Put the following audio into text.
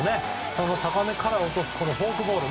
その高さから落とすフォークボール。